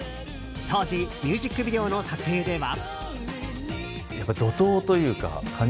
当時、ミュージックビデオの撮影では。